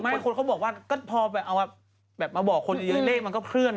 คนเขาบอกว่าก็พอเอามาแบบมาบอกคนเยอะเลขมันก็เคลื่อน